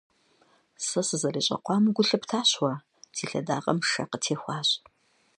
Сэ сызэрещӀэкъуауэм гу лъыптащ уэ: си лъэдакъэм шэ къытехуащ.